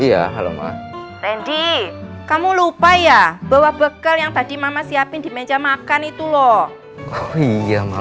iya halo mbak randy kamu lupa ya bawa bekal yang tadi mama siapin di meja makan itu loh iya